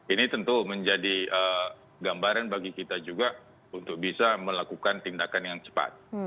ini tentu menjadi gambaran bagi kita juga untuk bisa melakukan tindakan yang cepat